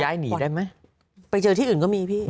หนีได้ไหมไปเจอที่อื่นก็มีพี่